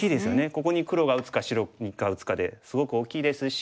ここに黒が打つか白が打つかですごく大きいですし。